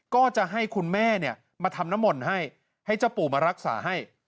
ก็จะให้คุณแม่มาทำน้ำมนต์ให้ให้เจ้าปู่มารักษาให้